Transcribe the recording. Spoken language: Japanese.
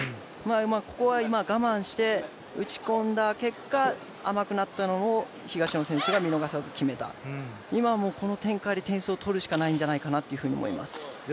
ここは今、我慢して打ち込んだ結果甘くなったのを東野選手が見逃さず決めた、今はこの展開で点数を取るしかないんじゃないかなと思います。